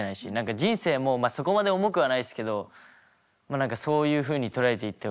人生もそこまで重くはないですけど何かそういうふうに捉えていってほしいというか。